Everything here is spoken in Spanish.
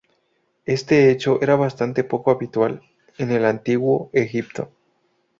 Este hecho era bastante poco habitual en el Antiguo Egipto.